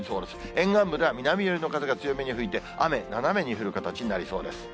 沿岸部では南寄りの風が強めに吹いて、雨、斜めに降る形になりそうです。